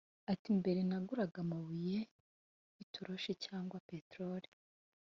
Ati “Mbere naguraga amabuye y’itoroshi cyangwa petelori